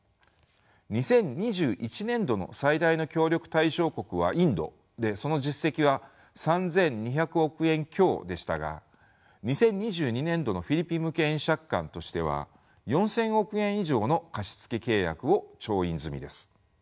２０２１年度の最大の協力対象国はインドでその実績は３，２００億円強でしたが２０２２年度のフィリピン向け円借款としては４，０００億円以上の貸付契約を調印済みです。